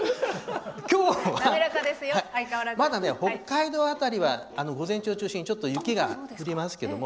今日は、まだ北海道辺りは午前中を中心にちょっと雪が降りますけれども。